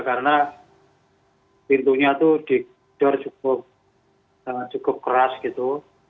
karena pintunya itu digedor cukup keras gitu